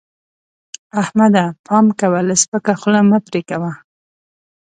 احمده! پام کوه؛ له سپکه خوله مه پرې کوه.